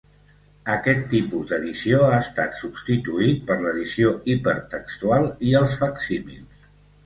Aquest tipus d'edició ha estat substituït per l'edició hipertextual i els facsímils.